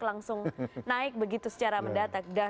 langsung naik begitu secara mendata